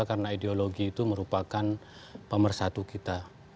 karena ideologi itu merupakan pemersatu kita